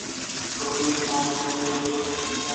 یو لوی ساعت یې په یوه برج کې ښکاري.